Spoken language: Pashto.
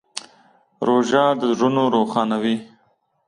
روژه د زړونو روښانوي.